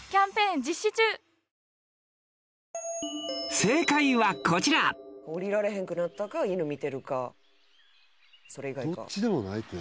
正解はこちらおりられへんくなったか犬見てるかそれ以外かどっちでもないって何？